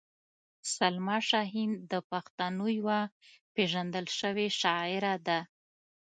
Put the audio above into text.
سلما شاهین د پښتنو یوه پېژندل شوې شاعره ده.